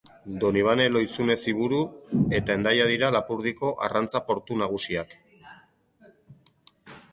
Donibane Lohizune-Ziburu eta Hendaia dira Lapurdiko arrantza portu nagusiak.